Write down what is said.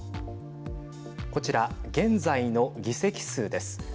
こちら、現在の議席数です。